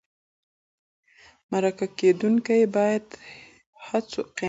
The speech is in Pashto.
مرکه کېدونکی باید د هڅو قیمت واخلي.